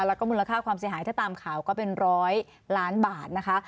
แล้วก็มูลค่าความเสียหายถ้าตามข่าวก็เป็นร้อยล้านบาทนะคะ